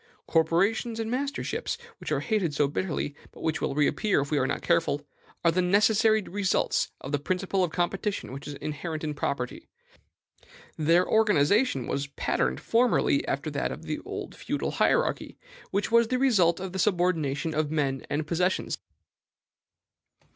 Corporations and masterships, which are hated so bitterly, but which will reappear if we are not careful, are the necessary results of the principle of competition which is inherent in property; their organization was patterned formerly after that of the feudal hierarchy, which was the result of the subordination of men and possessions.